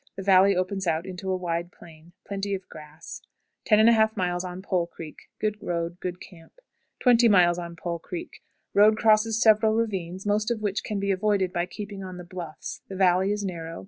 The valley opens out into a wide plain. Plenty of grass. 10 1/2. On Pole Creek. Good road; good camp. 20. On Pole Creek. Road crosses several ravines, most of which can be avoided by keeping on the bluffs; the valley is narrow.